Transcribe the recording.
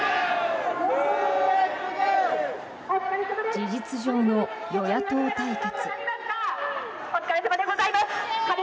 事実上の与野党対決。